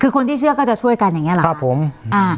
คือคนที่เชื่อก็จะช่วยกันอย่างเงี้หรอครับผมอ่า